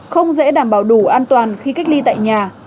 không dễ đảm bảo đủ an toàn khi cách ly tại nhà